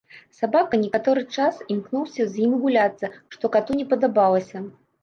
Сабака некаторы час імкнуўся з ім гуляцца, што кату не падабалася.